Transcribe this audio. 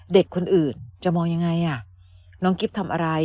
เด็กคนอื่นจะมองยังไงอ่ะน้องกิ๊บทำอะไร